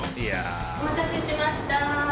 お待たせしました。